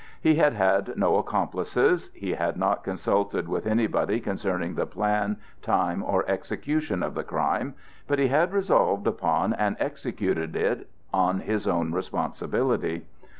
He had had no accomplices: he had not consulted with anybody concerning the plan, time, or execution of the crime, but he had resolved upon and executed it on his own responsibility.